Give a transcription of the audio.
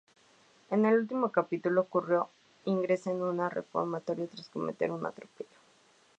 En el último capítulo, Curro ingresa en un reformatorio tras cometer un atropello.